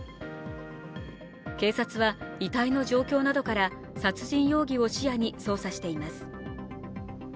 警察は遺体の状況などから、殺人容疑を視野に捜査しています。